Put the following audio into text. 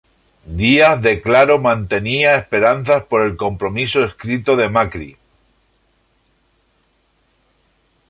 Díaz declaro mantenía esperanzas por el compromiso escrito de Macri.